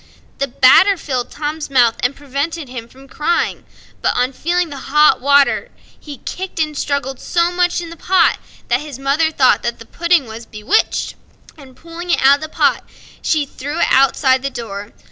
The batter filled Tom's mouth, and prevented him from crying; but, upon feeling the hot water, he kicked and struggled so much in the pot that his mother thought that the pudding was bewitched, and, pulling it out of the pot, she threw it outside the door.